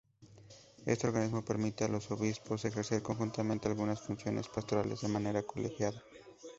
Este organismo permite a los Obispos ejercer conjuntamente algunas funciones pastorales de manera colegiada.